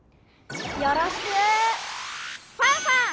よろしくファンファン！